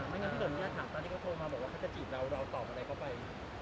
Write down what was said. ไม่งั้นถ้าเกิดมีญาติถามตอนที่เขาโทรมาบอกว่าเขาจะจีบเราเราตอบอะไรเข้าไป